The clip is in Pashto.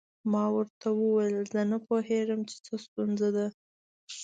ما ورته وویل زه نه پوهیږم چې څه ستونزه ده.